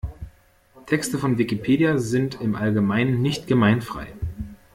Texte von Wikipedia sind im Allgemeinen nicht gemeinfrei.